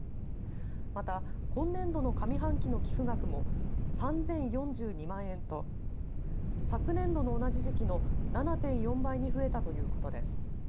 また今年度の上半期の寄付額も３０４２万円と昨年度の同じ時期の７．４倍に増えたということです。